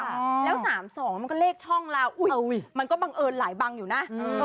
แล้ว๓๒มันก็เลขช่องเราอุ๊ยมันก็บังเอิญหลายบังอยู่นะ